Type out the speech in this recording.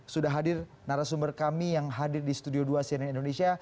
sudah hadir narasumber kami yang hadir di studio dua cnn indonesia